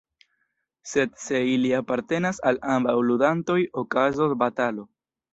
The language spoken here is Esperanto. Sed se ili apartenas al ambaŭ ludantoj, okazos batalo.